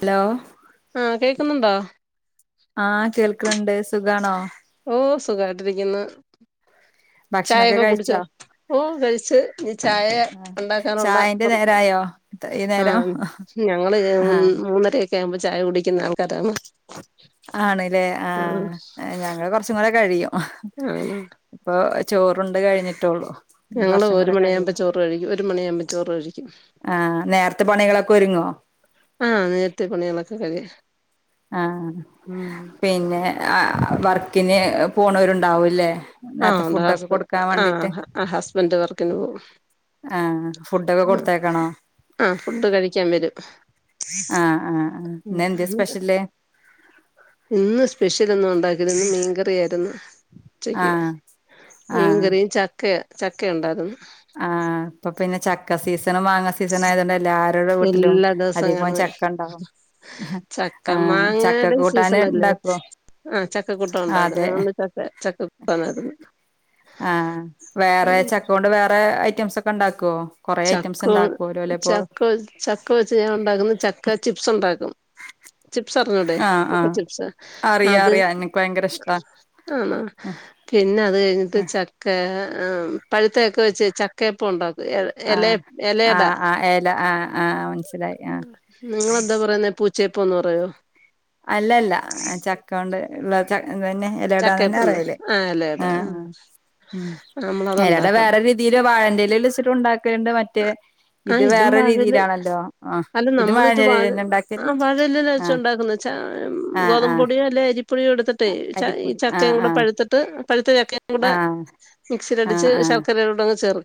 Hello ആഹ് കേക്കുന്നുണ്ടോ ആഹ് കേൾക്കണുണ്ട് സുഖാണോ ഓ സുഖായിട്ടിരിക്കുന്ന് ഭക്ഷണൊക്കെ ചായയൊക്കെ കുടിച്ചോ? കഴിച്ചോ ഓ കഴിച്ച് നി ചായ ആ ഒണ്ടാക്കാനുള്ള ചായന്റെ പൊറപ്പാ നേരായോ ഈ ആ നേരം ഞങ്ങള് ആഹ് ഉം മൂന്നര ക്കെ ആവുമ്പോ ചായ കുടിക്കുന്ന ആൾക്കാരാണ് ആണ്ലെ ആഹ് ഞങ്ങള് കൊർ ച്ചുങ്ങുടെ കഴിയും ഇഹ്‌ ആഹ് ഇപ്പൊ ചോറ് ണ്ട് ണ്ട് കഴിഞ്ഞിട്ടോള്ളൂ ഞങ്ങള് ഒരു മണി ആവുമ്പോ ചോറ് കഴിക്കും ഒരു മണിയാവുമ്പോ ചോറ് കഴിക്കും ആഹ് നേരത്തെ പണികളൊക്കെ ഒരുങ്ങോ ആഹ് നേരത്തെ പണികളൊക്കെ കഴിയും ആഹ് ഉം പിന്നെ ആ വർക്കിന് പോണോരുണ്ടാവൂല്ലേ ആ ഒണ്ടാ ഹസ്ബൻ ആഹ് ആഹ് ഹസ്ബൻഡ് വർക്കിന് പോവും ആഹ് ഫുഡൊക്കെ മ്മ് കൊടുത്തേക്കണോ ആ ഫുഡ് കഴിക്കാൻ വരും ആഹ് ആഹ് ആഹ് ഇന്ന് എന്ത്യേ മ്മ് സ്പെഷ്യല് ഇന്ന് സ്പെഷ്യലൊന്നും ഒണ്ടാക്ക ഇന്ന് മീൻകറിയാരുന്നു. ആഹ. മീൻകറി, ച ക്ക ചക്കയുണ്ടാരുന്നു. ആ ഇപ്പൊപ്പിന്നെ ചക്ക സീസ് ണും മാങ്ങസീസണും ആയതുകൊണ്ട് എല്ലാര് എല്ലാ ദവസോം ഞമ്മ ചക്ക ആഹ് ചക്ക മാങ്ങാടെ കൂട്ടാന് സീസണല്ലേ ഉണ്ടാക്കുവോ ആ ചക്കക്കൂട്ടാൻ ഒണ്ടാക്കും അതെ ഞങ്ങള് ചക്ക ചക്കക്കൂട്ടാനാര്ന്നു. ആ വേറെ ചക്ക കൊണ്ട് വേറെ അയ് റ്റംസൊക്കെണ്ടാക്കോ? ചക്കോണ് ചക്കവെ ചക്ക വെച്ച് ഞാൻ ഒണ്ടാക്കുന്നെ ചക്ക ചിപ്സ് ഒണ്ടാക്കും ചിപ്സ് അറിഞ്ഞൂടെ ആഹ് ചക്ക ആഹ് ചിപ്സ് അറിയാം അത് അറിയാം എനിക്ക് ഭയങ്കര ഇഷ്ടാ ആണോ പിന്നെ അത് കഴിഞ്ഞിട്ട് ചക്കാ ആ പഴുത്തചക്ക വെച്ച് ചക്കെയപ്പം ഒണ്ടാക്കും ആ ആ ആ ഏല ആ ആ മൻസ്സിലായി ആ ന്താ പറയുന്നെ പൂച്ചയപ്പോന്ന് പറയോ അല്ല അല്ല എ ചക്കോണ്ട് എന്താ ച ഇതെന്നെ എല അടാന്നെന്നെ ചക്കയപ്പംന്ന് പറയെല് ആ ഇലയട ആ ആ ഉം എല അട നമ്മളതുണ്ടാക്കും വെറെ രീതിയിൽ വാഴന്റെ എലെൽ വെച്ചിട്ടും ഉണ്ടാക്കൽ ഇണ്ട് അ ആ ഇതും വാഴെൽ ആഹ് അല്ല ഇത് നമ്മളിത് വാഴ വാഴന്റെലേലെന്നെ ഉണ്ടാക്കല് ആ വാഴ എലെൽ വെച്ചും ആഹ് ഉണ്ടാക്കും എന്നു വെച്ചാ അം ആഹ് ഗോതമ്പ് ആഹ് പൊടിയാലെ അ പൊടിയോ എടുത്തിട്ടേ ച ഈ അരിപ്പൊടി ആഹ് ചക്കയും കൂടെ ആഹ് പഴുത്തിട്ട് പഴുത്ത ചക്കയും കൂടെ ആഹ് ആഹ് മിക്സിലടിച്ച് ആഹ് ശർക്കരടെടങ്ങ് ചേർ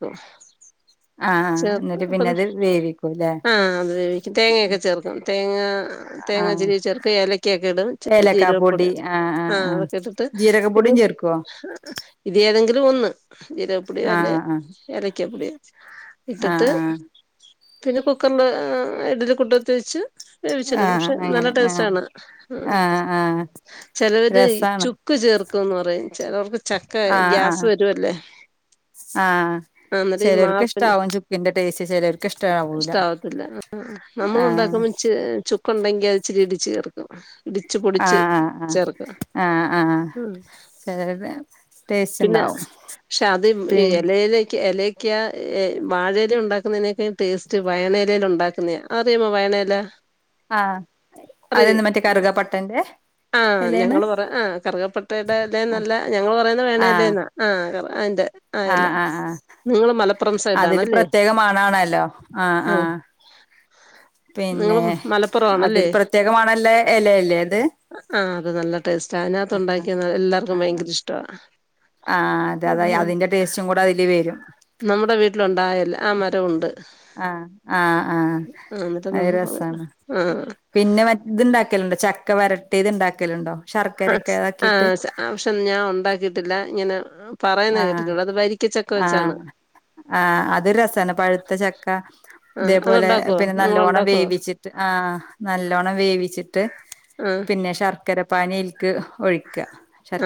ആഹ് ആഹ് ചേർക്ക എന്നിട്ട് പിന്നെ അപ്പം അത് വേവിക്കൂല്ലേ ആ അത് വേവിക്കും തേങ്ങയൊക്കെ ചേർക്കും തേങ്ങ തേങ്ങാ ആഹ് ചിരവി ചേർക്ക ഏലക്കൊക്കെ ഇടും ഇച്ചിരി ഏലക്കാ പൊടി ജീരകപ്പൊടും ആഹ് ആഹ് ആ ആഹ് അതൊക്കെ ഇട്ടിട്ട് പിന്നെ ജീരകപ്പൊടിയും ചേർക്കുവോ ഇത് ഏതെങ്കിലും ഒന്ന് ജീരകപ്പൊടിയോ അല്ലേ ആഹ് ആഹ് ഏലക്കപ്പൊടിയോ ഇട്ടട്ട് ആഹ് ആഹ് പിന്നെ കുക്കറിൽ ഇടലികുട്ടത്തി വെച്ച് വേവിച്ചെടുക്കും ആഹ് പക്ഷെ നല്ല അങ്ങനെ ആഹ് ടേസ്റ്റാണ് ഉം ആഹ് ആഹ് ചെലവര് ഇ രസാണ് ചുക്ക് ചേർ ക്ക് ന്ന് റയ് ചിലവർക്ക് ചക്ക ആഹ് ഗ്യാസ് ആഹ് വരുവല്ലേ ആഹ് ആന്നരി മാ ചെലോർക്ക് ഇഷ്ടാവും ചുക്കിന്റെ ടേസ്റ്റ് ചെലോർക്ക് ഇഷ്ടാവൂല ഇഷ്ടാവത്തില്ല ആ നമ്മളുണ്ടാക്കുമ്പോ ച് ചുക്കുണ്ടെങ്കി അത്‌ ചേ ഇടിച്ച് ചേർക്കും ഇടിച്ച്പൊടിച്ച് ആഹ് ആഹ് ചേർക്കും ആഹ് ആഹ് ആഹ് ഉം ചെലരുടെ ടേസ്റ്റ് പിന്നെ ഇണ്ടാവും ക്ഷെ അത് പിൻ ഇലയിലേക്ക് ഇലക്ക് ക്യാ ഏ വാഴെലെ ഉണ്ടാക്കുന്നയിനേക്കാൾ ടേസ്റ്റ് വയണെലയിൽ ഉണ്ടാക്കുന്നത അതറിയാമോ വയണയില ആഹ് അതെന്ത് മറ്റേ [unintelligible] കറുകപ്പട്ടന്റെ ആ എലേണ് ഞങ്ങള് പറ ആ് കറുകപ്പട്ടടെലെന്നല്ല ഞങ്ങൾ പറയുന്ന ആഹ് വേണല്ലേന്നാ ആ ക അതെ അയല ആഹ് ആഹ് ആഹ് നിങ്ങള് മല അതില് പ്രത്യേക മണാണല്ലോ ആ ആ നിങ്ങളും മലപ്പുറം അതിൽ ആണല്ലേ പ്രത്യേക മണല്ല എലയല്ലേ അത് ആ അത് നല്ല ടേസ്റ്റാ അതിനകത്ത് ഇണ്ടാക്കിയ എല്ലാർക്കും ഭയങ്കര ഇഷ്ടവാ ആ അതെ അതെ ആഹ്. അതിന്റെ ടേസ്റ്റും കൂടെ അതില് വരും നമ്മുടെ വീട്ടിലുണ്ടായ എല ആ മരവുണ്ട് ആഹ് ആഹ് ആഹ് അത് രസാണ് [unintelligible] ആഹ് പിന്നെ മറ്റ ഇത്ണ്ടാ ലുണ്ടോ ചക്ക വരട്ടി ഇത് ഉണ്ടാക്കലുണ്ടോ ആ പക്ഷെ ഞാ ഉണ്ടാക്കിട്ടില്ല ഇങ്ങനെ പറയുന്ന ആഹ കേട്ടിട്ടുണ്ട് അത് വരിക്കച്ചക്ക വെച്ചാണ് ആഹ ആഹഅഹ അത് രസമാണ് പഴുത്ത ചക്ക ആ ഇതേപോലെ അത്ണ്ടാക്കുവോ പിന്നെ നിങ്ങൾ നല്ലോണം ഉണ്ടാക്കുവോ വേവിച്ചിട്ട് ആഹ നല്ലോ നല്ലോണം വേവിച്ച് റ്റ് ആ പിന്നെ ശർക്കര പാനൽക്ക് ഒഴിക്കും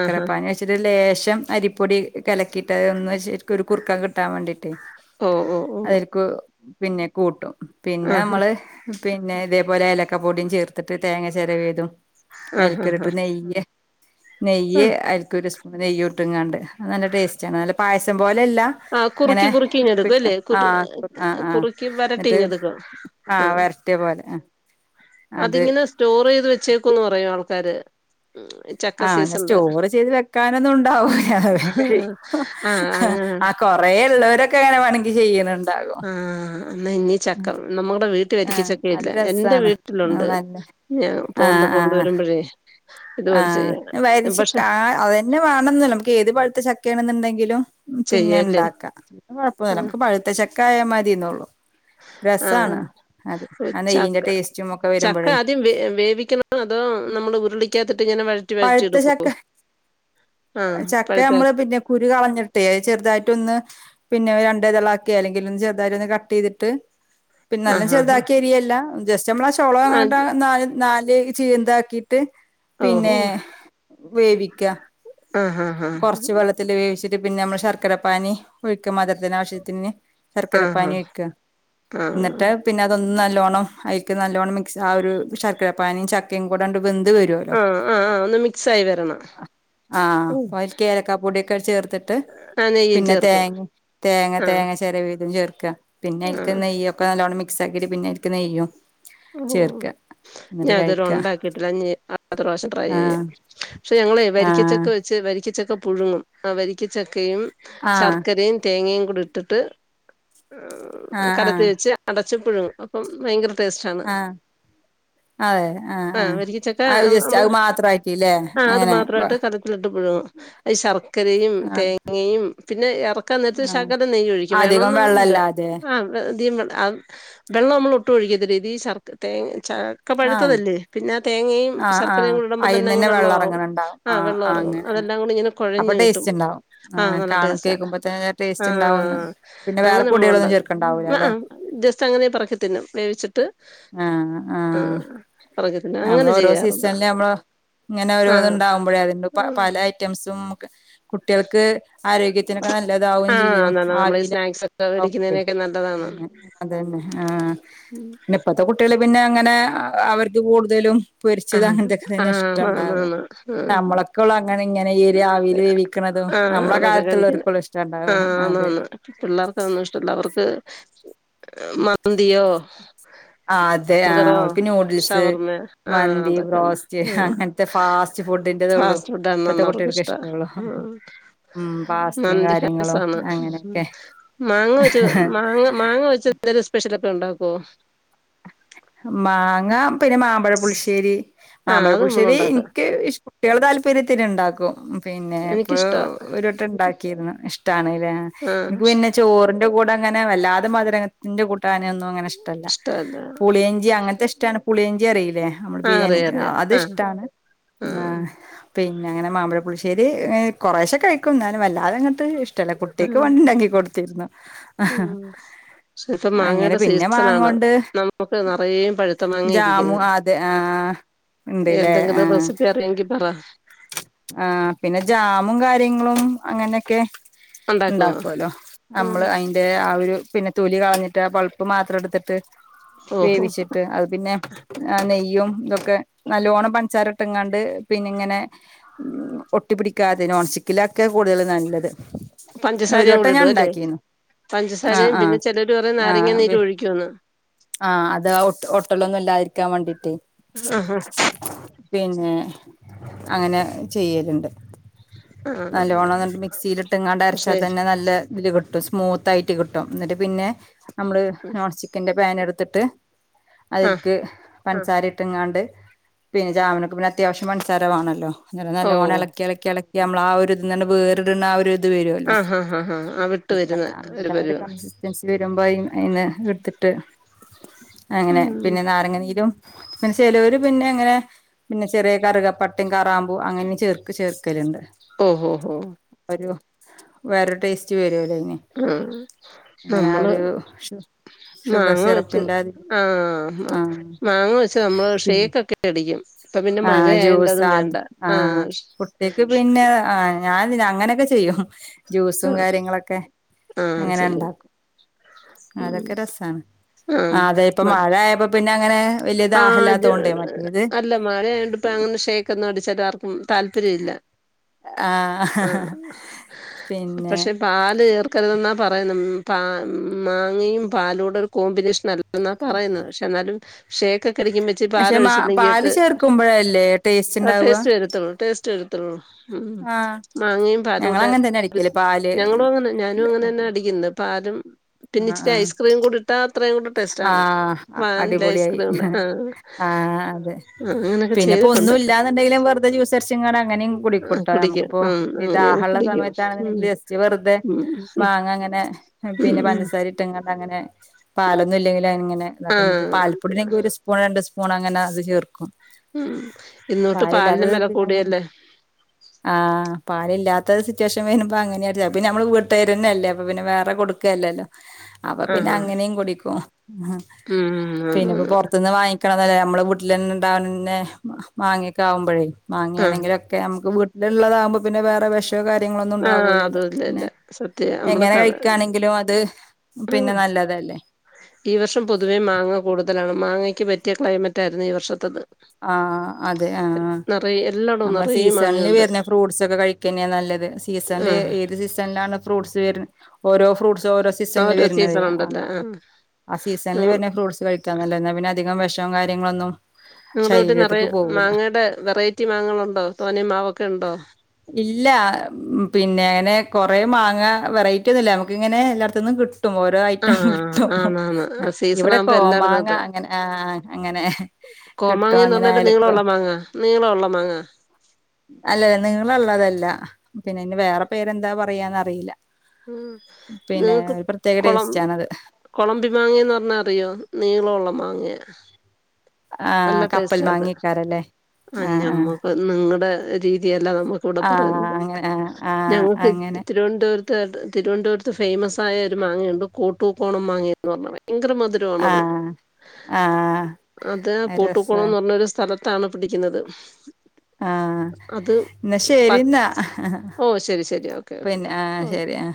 ആ ഹാ പാന വച്ചിട്ട ലേ [unintelligible] പച്ചം അരിപ്പൊടി കലക്കിയിട്ട അത ഒന്ന് വ ശരിക്കും ഒരു കുറുക്ക കിട്ടാൻ വേണ്ടിയിട്ട് ഓ ഓ ഓ പിന്നെ കൂട്ടും പിന്നെ ആ ഹാ നമ്മള് പിന്നെ ഇതേപോലെ ഇലക്ക പൊടിയും ചേർത്തിട്ട് തേങ്ങ ചിര വേതും ആ ഹാ ഹാ അയൽക്കറിട്ട് നെയ്യ നെയ്യ് അതിക്കൊരു അങ്ങനെെയ്യോട്ടിങ്ങാണ്ട് നല്ല ടേസ്റ്റണ് നല്ല പായസം പോലെല്ല ആ ആ ഇങ്ങനെ കുറുക്കി കുറുക്കി പി ഇങ്ങെടുക്കും അല്ലേ അ അ കുറു അ കുറുക്കി വരട്ടി എന്നിട്ട് ഇങ്ങെടുക്കും ആ വരറ്റ പോലെ ആ അതിങ്ങനെ സ്റ്റോർ ചെയ്ത് വെച്ചേക്കന്ന് പറയാ ആൾക്ക പ ആ അങ്ങനെ സ്റ്റോർ ചെയ്ത് വെക്കാനൊന്നുണ്ടാവൂല്ല ആഹ് [unintelligible] അങ്ങനെ ആ കൊ പ്രയള്ളവരൊക്കെങ്ങനെ വേണങ്കി ചെയ്യണണ്ട് [unintelligible] എന്നായിനി ചക്ക നമ്മുടെ വീ അത് വരിക്കച്ചക്കയില്ല എന്റെ രസാണ് ആഹ് വീട്ടിലുണ്ട് നല്ല ഞാൻ പോവുമ്പോ കൊണ്ടുവരുമ്പോഴേ ആ ഇതുപോലെ ചെയ്യാം വരിച്ച പക്ഷെ കാ അതന്നെ വേണോന്ന് നമുക്ക് ഏത് പഴുത്ത ചക്കയാണെന്നെണ്ടെങ്കി [unintelligible] ചെയ്യല്ലേ പിന്നെണ്ടാക്കാ അത് കൊഴുപ്പൊന്നില്ല നമുക്ക് പഴുത്ത ചക്ക കായമതിയന്നുള്ളൂ ആ ആ നെയ്യിന്റെ ചക്ക ടേസ്റ്റും ഒക്കെ ചക്ക വരുമ്പഴേ ആദ്യം വേ വേവിക്കണോ അതോ നമ്മള് ഉരുളി [unintelligible] പഴുത്ത ചക്ക ആഹ് ചക്ക പഴുത്ത നമ്മള് പിന്നെ കുരു കളഞ്ഞിട്ടേ അത് ചെറുതായിട്ടൊന്ന്, പിന്നെ രണ്ടെതളാക്കേ അല്ലെങ്കിലൊന്ന് ചെറുതായിട്ടൊന്ന് കട്ടീതിട്ട്, പിന്നെ നല്ലം ആഹ് ആഹ് ചെറുതാക്കി അരിയല്ലാ ച്ചമ്മള് ആ ചൊളൊങ്ങട്ട് ആഹ് നാല് നാല് ചീന്താക്കി ട്ട് ഓഹോ പിന്നേ വേവിക്കാ ആഹ് ആഹ് കൊറച്ച് വെള്ളത്തില് വേവിച്ചി ട്ട് പിന്നെ നമ്മള് ശർക്കര പാനി ഒഴിക്ക മധുരത്തിന് ആവശ്യത്തിന്ന് ആഹ് ശർക്കര ആഹ് പാനി വെക്കാ ആഹ് എന്നിട്ട് ആഹ് പിന്നതൊന്ന് നല്ലോണ [unintelligible] അയിക്ക് നല്ലോണം മിക്സ് ആ ഒരു ശർക്കര പാനിയും ചക്കയും കൂടെ ആണ്ട് ആ ആ ഒന്ന് മിക്സായി വരണം ആഹ് അപ്പൊ അയിൽക്ക് ഏലയ്ക്കപ്പൊടിയൊക്കെ ചേർത്തിട്ട് ആഹ് നെയ്യും പിന്നെ ചേർക്കും തെങ്ങേം തേങ്ങ ആഹ് തേങ്ങ ചെരവിയ ഇതും ചേർക്കാ പിന്നെ അയിൽക്ക് ആഹ് നെയ്യൊക്കെ നല്ലോണം മി ക്സാക്കിട്ട് പിന്നെ അതിൽക്ക് നെയ്യും ചേർക്ക എന്നിട്ട് ഞാനിതുവരെ കഴിക്ക ഉണ്ടാക്കിട്ടില്ല അ അടുത്ത പ്രാശ്യം ട്രൈ ചെയ്യാം ആഹ് പക്ഷെ ഞങ്ങളെ വരിക്കചക്ക ആഹ് വെച്ച് വരിക്കച്ച ഒക്കെ പുഴുങ്ങും ആ വരിക്കച്ചക്കയും ആഹ് ശർക്കരയും തേങ്ങയും കൂടിട്ടിട്ട് ഏഹ് ആഹ് കലത്തി ആഹ് വെച്ച് അട ച്ച് പുഴുങ്ങും അപ്പം ഭയങ്കര ടേസ് ആണ് ആഹ് അതെ ആഹ് ആ ആഹ് വരിക്ക ചക്ക അത് ജസ്റ്റ് നമ്മള് അത് മാത്രാക്കില്ലേ ആ അത് അങ്ങനെ മാത്രായിട്ട് ചതപ്പിലിട്ട് പുഴുങ്ങും, ഈ ശർക്കരയും ആഹ് തേങ്ങയും പിന്നെ എറ ക്കാൻ നേരത്ത് ആഹ് ശെകലം നെയ്യൊഴിക്കും അധികം വേണോന്നൊന്നുല്ല വെള്ളല്ലാതെ ആഹ് [unintelligible] വെള്ളം നമ്മളൊട്ടും ഒഴിക്കത്തി ദി ശർക്ക്‌തേ ചക്ക ആഹ് പഴുത്തതല്ലേ പിന്നെ തേങ്ങയും ആഹ് ശർക്കരയും ആഹ് കൂടി ഇടുമ്പം തന്നെ അയിന്ന് അങ്ങ് വെള്ളം വെള്ളവാവും ഇറങ്ങണണ്ടാവും ആ ആഹ് ആഹ് വെള്ളറങ്ങും അങ്ങനെ ആഹ് അതെല്ലാം കൂടി ഇങ്ങനെ അപ്പൊ കൊഴഞ്ഞ് കിട്ടും ടേസ്റ്റ് ഉണ്ടാവും ആ ആഹ് നല്ല കാണ ടേസ്റ്റാ കേൾക്കുമ്പോ തന്നെ ആ ആ ടേസ്റ്റ് ഉണ്ടാവുംന്ന് ആ പിന്നെ അങ്ങനെ വേറെ നമ്മളുണ്ടാ പൊടികളൊന്നും ചേർക്കണ്ടാവൂല അ ആ അല്ലെ ജസ്റ്റ് അങ്ങനെ പറക്കി തിന്നും വേവിച്ചിട്ട് ആഹ് ആഹ് പെറുക്കി തിന്നും നമ്മള് അങ്ങനെ ഓരോ ചെയ്യാറുണ്ട് സീസണില് മ്മള് ഇങ്ങനെ ഓരോന്ന് ആഹ് ഇണ്ടാവുമ്പോഴേ അത് ന്റെ പ പലെ ഐറ്റംസും കുട്ടിൾക്ക് ആരോഗ്യത്തിനൊക്കെ നല്ലതാവും ആഹ് ചെയ്യും നല്ലതാ നമ്മള് ഈ ആവിൽ സ്നാക്സ് ഒക്കെ [unintelligible] വേടിക്കുന്നതിനൊക്കെ നല്ലതാണ്. പിന്നെ പിന്നെ ആ ഉം. പിന്നെ ഇപ്പത്തെ കുട്ടിൾ പിന്നെ അങ്ങനെ അ അവര് ഇത് കൂടുതലും പൊരിച്ചതും ആഹ് അങ്ങൻതൊക്കെ തന്നെ ആഹ് ആന്ന് ഇഷ്ട്ടണ്ടാവാ ആന്ന് അ അമ്മൾഒക്കെ ഉള്ളു അങ്ങനെ ഇങ്ങനെ ഈ ഒരു ആവിൽ വേവിക്ക്ണതും ആഹ് ആഹ് അമ്മളെ അതൊക്കെ കഴിക്കുന്ന കാലത്ത്ള്ളോര്ക്ക് ഒള്ളു ഇഷ്ട്ടണ്ടാവ ആഹ് ആന്ന് അതെ ആന്ന് പിള്ളേർക്ക് അതൊന്നും ഇഷ്ടല്ല അവർക്ക് മന്തിയോ ആ അതെ ആ ആ ഓൽക്ക് ന്യൂഡിൽസ് ആഹ മന്തി അതൊക്കെയാണ് ബ്രോസ്റ്റ് അങ്ങനത്തെ ഫാസ്റ്റ് ഫുഡിന്റെതള്ളൂ ഫാസ്റ്റ് ഫുഡ ഇപ്പത്തെ ആണന്ന അവർക്ക കുട്ടികൾക്ക് ഇഷ്ടാ ഇഷ്ടള്ളൂ ഉം പാസ്തയും നതി ഫസ കാര്യങ്ങളും അങ്ങനെയൊക്കെ മാങ്ങ വെച്ച് മാങ്ങ മാങ്ങ വെ ന്ത സ്പെഷ്യൽ ഒക്കെ ഉണ്ടാക്കുവോ മാങ്ങ പിന്നെ മാമ്പഴ പുളിശ്ശേരി ആഹ് മാമ്പഴ അത് പുളശ്ശേരി നമ്മളുണ്ടാക്കും എനിക്ക് കുട്ടികളൾ താല്പര്യത്തിന് ഉണ്ടാക്കും പിന്നെ ഇപ്പൊഒരു എനിക്കിഷ്ടാ ഒരു വട്ടം ണ്ടാ ക്കിര്ന്നു ഇഷ്ട്ടാണ് ഏ ആഹ് ഇൻക് പിന്നെ ചോറി ന്റെകൂടെ അങ്ങനെ വല്ലാതെ മധു രത്തിന്റെ കൂ ട്ടാൻ ഒന്നും അങ്ങനെ ഇഷ്ട്ടല്ല ഇഷ്ടല്ല പുളിയഞ്ചി അങ്ങനത്തെ ഇഷ് ട്ടാണ് പുളിയാഞ്ചി അറിയി ല്ലെ അമ്മൾ ആഹ് അറിയാ ബിരിയാണിക്ക് ആ അറിയാ ആഹ് അതിഷ്ട്ടാണ് ആ ആഹ് പിന്നെ ങ്ങനെ മാമ്പഴ പുളിശ്ശേരി [unintelligible] കൊറേഷേ കഴിക്കുംന്നാലും വല്ലാതെ അങ്ങട്ട് ഇഷ് ടല്ല കുട്യക്ക് ആഹ് വേണ്ടിണ്ടാക്കി കൊടുത്തിരുന്നു ആഹാ ഉം ഇപ്പൊ അങ്ങനെ മാങ്ങയുടെ പിന്നെ സീസണാണ് മാങ്ങോണ്ട് നമുക്ക് നിറയെം പഴുത്ത മാങ്ങ ജാമു ഇരിക്കിന്ന് അതെ ആഹ് ഉണ്ട്ല്ലേ എന്തെങ്കിലും റെസിപ്പി അരിയൊങ്കി പറ ആ പിന്നെ ജാമും കാര്യങ്ങളും അങ്ങനെയൊക്കെ ഉണ്ടാക്കുവോ ഉണ്ടാക്കല്ലോ ഉം നമ്മള് അയിന്റെ ആ ഒര് പിന്നെ തൊലി കളഞ്ഞട്ട് പളുപ്പ് മാത്രം എടുത്തിട്ട് ഓഹോ വേവിച്ചിട്ട് അത് പിന്നെ നെയ്യും ഇതൊക്കെ നല്ലോണ്ണം പഞ്ച്സാരോ കണ്ട് പിന്നെ ഇങ്ങനെ ഒട്ടി പിടിക്കാതെ നോൺ സ്റ്റിക്കിലൊക്കെ കൂടുതൽ നല്ലത് ഒരു പഞ്ചസാരയും വട്ടം കൂടി ഞാൻ ഇടൂ അല്ലേ ഉണ്ടാക്കിന്നു ആഹ് പഞ്ചസാരയും ആഹ് പിന്നെ ചിലര്റയും നാരങ്ങ നീരും ഒഴിക്കുെവന്ന് ആ അതാ ട്ടലൊന്നും ഇല്ലാതിരിക്കാൻ വേണ്ടീട്ട് ആഹ് പിന്നെ അങ്ങനെ ചെയ്യലിണ്ട് ആഹ് നല്ലോണ്ണം എന്നിട്ട് മിക്സിയിലങ്ങാണ്ട് പക്ഷെ അരച്ചാൽ തന്നെ നല്ല ഇതില് കി സ്മൂത്തായിട്ട് കിട്ടും എന്നിട്ട് പിന്നെ നമ്മള് നോൺ സ്റ്റിക്കന്റെ ഇങ്ങ അടുത്തിട്ട് ആഹ് അതിൽക്ക് പൻസാര ഇട്ട് ങ്ങാണ്ട് പിന്നെ ജാമ്നൊക്കെ പിന്നെ അത്യാവശ്യം പൻസാര വാണല്ലോ അങ്ങനെ ഓ നല്ലോണ്ണം എളക്കി എളക്കി എള യമ്മള് ആ ഒരു വേറിട്ണ ആ ഒരു ഇത് വരോല്ലോ ആഹ് ആഹ് ആഹ് ആഹ് വിട്ട് വരുന്ന അങ്ങന ഒരു പരുവ കൺസിസ്റ്റൻസി വരുമ്പോ അയി അയിന്ന് എടുത്തി ട്ട് അങ്ങനെ ഉം പിന്നെ നാരങ്ങനീരും പിന്നെ ചെലോര് പിന്നെ എങ്ങനെ പിന്നെ ചെറിയ കറുകപ്പട്ടിം കറാമ്പൂ അങ്ങനെ ചേർക്ക് ചേർ ക്കല്ണ്ട് ഓ ഓ ഓ വേറൊരു ടേസ്റ്റ് വരൂല്ലേ മ് നമ്മള് ഷുഗർ മാങ്ങ വെച്ച് സിറപ്പിന്റെ അതില് ആ ആ മാങ്ങ വെച്ച് നമ്മള് പിന്നെ ഷേക്ക് ഒക്കെ അടിക്കും ഇപ്പ പിന്നെ ആ ജ്യൂസ് മഴയായോണ്ടതും അത് വേണ്ട ആ കുട്ടിക്ക് പിന്നെ ആ ഞാൻ അങ്ങനെയൊക്കെ ചെയ്യും ജ്യൂസും ആഹ് കാര്യങ്ങളൊക്കെ ആഹ് അങ്ങനെ ഇണ്ടാക്കും അതൊ ആ ആയപ്പോ പിന്നെ അങ്ങനെ വലിയ ആ ദാഹല്ലാത്തോണ്ടേ മറ്റേത് അല്ല മഴയായോണ്ടിപ്പം അങ്ങനെ ഷേക്ക് ഒന്നും അടിച്ചിട്ട് ആർക്കും താല്പര്യ ഇല്ല ആ ആഹ് പക്ഷെ പാല് ചേർക്കരുതെന്നാ പറയുന്ന പ മാങ്ങയും പാലൂടെ ഒരു കോമ്പിനേഷൻ അൽ എന്നാ പറയുന്നത് പക്ഷെ എന്നാലും ഷേയ്ക്ക് പക്ഷെ മാ പാല് ചേർക്കുമ്പഴല്ലേ ടേസ്റ്റ് ആ ഇണ്ടാവാ ടേസ്റ്റ് വരത്തുള്ളൂ [unintelligible] ഉം മാങ്ങയും ഞങ്ങള് പാലൂടെ അങ്ങനെ തന്നെ അടിക്കല് പാല് ഞങ്ങളും അങ്ങനെ ഞാനും അങ്ങനെ തന്നാ അടിക്കുന്നെ പാലും പിന്നെ ഇിച്ചിരി ഐസ്ക്രീം മും കൂടിട്ടാ ആ അടിപൊളിയായി ഐസ്ക്രീമിന്റെ ആ ആ അതെ ആ അങ്ങനൊക്കെ ചെയ്തിട്ടുണ്ട് പിന്നെപ്പോന്നും ഇല്ലാന്നുണ്ടെങ്കിലും വെർ തെ ജ്യൂസടിച്ചാ അങ്ങനെയും ആ കുടിക്കും കുടിക്കൂട്ടോഞമ്മക്കിപ്പൊ ഉം ഈ അങ്ങനെ ദാഹള്ള കുടിക്കും ഉം സമയത്താണെന്നുണ്ടെങ്കിൽ ജസ്റ്റ് വെറുതെ ഉം ഇ മാങ്ങ അങ്ങനെ ഉം പിന്നെ ഉം പഞ്ചസാര ഇട്ട് അങ്ങനെ പാലൊന്നും ഇല്ലങ്കില അങ്ങനെ ആ [unintelligible] പാൽപ്പൊടിണ്ടെങ്കിഒരു സ്പൂൺ രണ്ട് സ്പൂൺ അങ്ങനെ അത് ചേർക്കും ഉം ഇന്നൊട്ട് പാലിനും വെല പാലില്ലാത്ത അങ്ങനെ കൂടിയല്ലേ ആഹ് പാലില്ലാത്ത സിറ്റുവേഷൻ വരുമ്പ അങ്ങനെയാ പിന്നെ നമ്മള വീട്ട്കാര് തന്നല്ലേ അപ്പപിന്നെ വേറെ കൊടുക്കയല്ലല്ലോ അപ്പൊ ആ പിന്നെ ഹാ അങ്ങനെയും കൂടി [inaudible] ഹ് ഉം പിന്നിപ്പോ ആന്നാന്ന് പൊറത്തന്ന് വാങ്ങിക്കണം [unintelligible] നമ്മള വൂട്ടില് തന്നെ ഉണ്ടാവൻ ന്നെ മാങ്ങയൊക്കെ ആവുമ്പോഴേ ആ മാങ്ങയാണെങ്കിലൊക്കെ നമുക്ക് [unintelligible] ഇള്ളതാകുമ്പ പിന്നെ വേറെ വെഷ കാര്യങ്ങളൊന്നും ആ ഉണ്ടാകൂലല്ലോ അതും ഇല്ല ഇല്ല പിന്നെ സത്യ നമ്മള് എങ്ങനെ കള കഴിക്കാണെങ്കിലും അത് ഉം പിന്നെ നല്ലതാരിക്കും ഈ വർഷം പൊതുവേ മാങ്ങ കൂടുതലാണ് മാങ്ങയ്ക്ക് പറ്റിയ ക്ലൈമറ്റായിരുന്നു ഈ വർഷത്തത് ആ അതെ ആ നിറയെ എല്ലായിടവും നമ്മള നിറയെ സീസണില് മാങ്ങയുണ്ട് വരുന്ന ഫ്റൂട്ട്സക്കെ കഴിക്കന്നാ നല്ലത് സീസണില് ആഹ് ഏത് സീസണിലാണ് ഫ്രൂട്ട്സ് [unintelligible] ഓരോ ഫ്രൂട്ട്സ് ഓരോ സീസണില് വരുന്നത് സീസൺ ഉണ്ടല്ലേ ആഹ് ആ സീസണില് നിങ്ങ വരുന്ന ഫ്രൂട്ട്സ് കഴിക്കാ നല്ലാന്നാ പിന്നെ അധികം വിഷ കാര്യങ്ങളൊന്നും നിങ്ങളടെ വീട്ടിൽ നിറയെ ശരീരത്തിക്ക് പോവൂല മാങ്ങയുടെ വെറൈറ്റി മാങ്ങകളുണ്ടോ തോനേ മാവൊക്കെ ണ്ടോ ഇല്ല പിന്നെനെ കൊറെ മാങ്ങ വെറൈറ്റിന്നുംല്ല മ്മക്കിങ്ങനെ എല്ലാടത്തന്നും കി ഓരോ ഐറ്റം ആഹ് കിട്ടും ആന്നാന്ന് സീസൺ ആകുമ്പോ എല്ലായിടത്തും ഇവിടെകോമാങ്ങ ഉണ്ട് അങ്ങനെ അങ്ങനെ കിട്ടും കോമാങ്ങന്ന് പറഞ്ഞാല് അങ്ങനെക്കെ നീളമുള്ള മാങ്ങ നീളമുള്ള മാങ്ങ ള്ളതല്ല പിന്നെഅയിന് വേറെ പേരെന്താ പറയാന്നറിയില്ല ഉം പിന്നെ നിങ്ങക്ക് ഒരു പ്രത്യേക കൊളം ടേസ്റ്റാണത്. കൊളമ്പി മാങ്ങന്ന് റഞ്ഞാ അറിയോ നീളം ഉള്ളേ മാങ്ങയാ ആ നല്ല കപ്പൽ ടേസ്റ്റാ അത് മാങ്ങേക്കാരല്ലേ ആ ആ രീതിയത [unintelligible] ഇവിടെ പറയുന്നത് ആഹ് ആഹ് ഞങ്ങക്ക് അങ്ങനെ തിരുവനന്തപുരത്ത് തിരുവനന്തപുരത്ത് ഫെയ്മസായ ഒരു മാങ്ങയുണ്ട് കൂട്ടൂക്കോണം മാങ്ങഎന്ന് പറഞ്ഞ ഭയങ്കര മധുരമാണത് ആഹ് ആഹ് അത് കൂട്ടുക്കോണം ന്ന് പറഞ്ഞൊരു സ്ഥലത്ത് താണ് പിടിക്കുന്നത് ആ അത് പ ന്നാശരിന്നാ ഓ ശരി ശരി ഓക്കെ ഓക്കെ പിന്നെ ആ ഓ ശരി ആ